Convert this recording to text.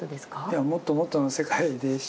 いやもっともっとの世界でした。